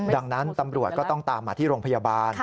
ดังนั้นตำรวจก็ต้องตามมาที่โรงพยาบาล